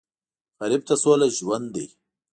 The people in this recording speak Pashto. غریب ته سوله ژوند دی